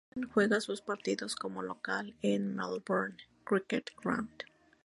Richmond juega sus partidos como local en Melbourne Cricket Ground.